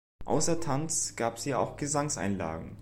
Außer Tanz- gab sie auch Gesangseinlagen.